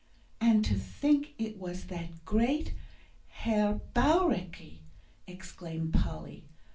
"And to think it was that great Herr Bauricke!" exclaimed Polly.